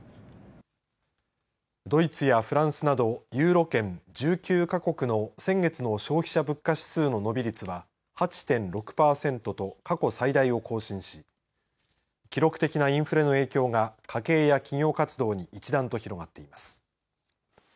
ドイツやフランスなどユーロ圏、１９か国の先月の消費者物価指数の伸び率は８．６パーセントと過去最大を更新し記録的なインフレの影響が家計や企業活動に一段と広がっています。